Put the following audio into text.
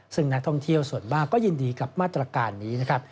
ซึ่งนักท่องเที่ยวส่วนมากก็ยินดีกับมาตรการนี้นะครับ